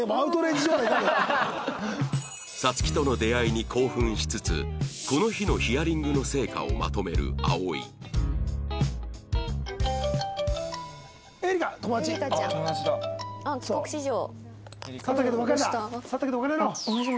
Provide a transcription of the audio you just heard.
皐月との出会いに興奮しつつこの日のヒアリングの成果をまとめる葵あっ帰国子女。